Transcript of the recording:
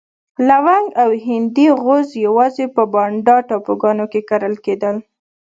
لونګ او هندي غوز یوازې په بانډا ټاپوګانو کې کرل کېدل.